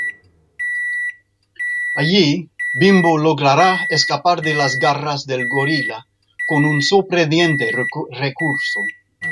Allí, Bimbo logrará escapar de las garras del gorila con un sorprendente recurso.